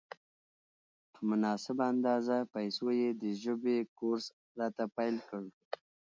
په مناسبه اندازه پیسو یې د ژبې کورس راته پېل کړ.